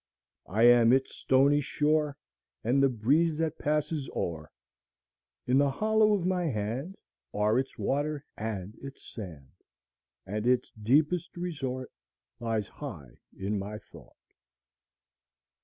I am its stony shore, And the breeze that passes o'er; In the hollow of my hand Are its water and its sand, And its deepest resort Lies high in my thought.